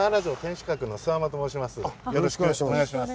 よろしくお願いします。